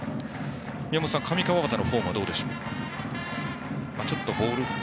宮本さん、上川畑のフォームはどうでしょうか。